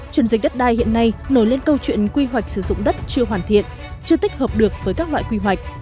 chuyển dịch đất đai hiện nay nổi lên câu chuyện quy hoạch sử dụng đất chưa hoàn thiện chưa tích hợp được với các loại quy hoạch